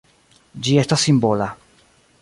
Ĝi estas simbola.